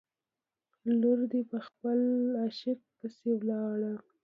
لور دې په خپل عاشق پسې ولاړه.